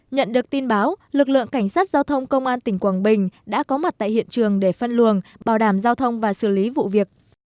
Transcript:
nhận được tin báo lực lượng cảnh sát giao thông công an tỉnh quảng bình đã có mặt tại hiện trường để phân luồng bảo đảm giao thông và xử lý vụ việc